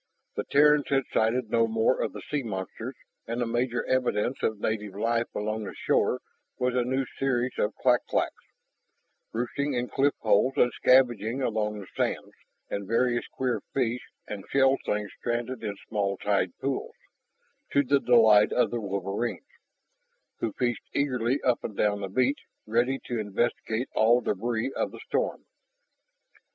The Terrans had sighted no more of the sea monsters, and the major evidence of native life along the shore was a new species of clak claks, roosting in cliff holes and scavenging along the sands, and various queer fish and shelled things stranded in small tide pools to the delight of the wolverines, who fished eagerly up and down the beach, ready to investigate all debris of the storm.